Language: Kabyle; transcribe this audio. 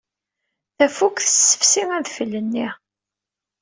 Tafukt tessefsi adfel-nni.